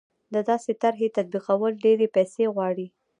د داسې طرحې تطبیقول ډېرې پیسې غواړي.